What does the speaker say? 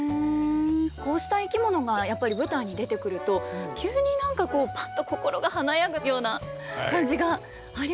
こうした生き物がやっぱり舞台に出てくると急に何かこうパッと心が華やぐような感じがありませんか。